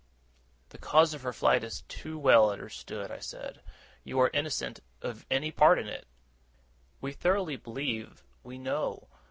'The cause of her flight is too well understood,' I said. 'You are innocent of any part in it, we thoroughly believe, we know.